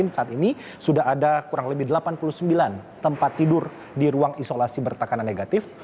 saat ini sudah ada kurang lebih delapan puluh sembilan tempat tidur di ruang isolasi bertekanan negatif